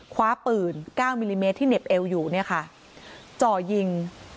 คว้าปืน๙มิลลิเมตรที่เหน็บเอวอยู่เนี่ยค่ะจ่อยิง